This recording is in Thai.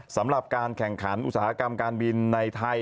สำหรับการแข่งขันอุตสาหกรรมการบินในไทย